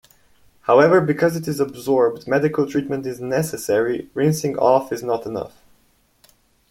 However, because it is absorbed, medical treatment is necessary; rinsing off is not enough.